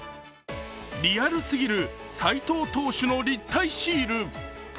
リアルすぎる斎藤投手の立体シール。